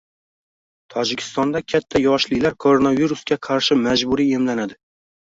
Tojikistonda katta yoshlilar koronavirusga qarshi majburiy emlanadi